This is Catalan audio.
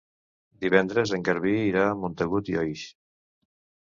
Divendres en Garbí irà a Montagut i Oix.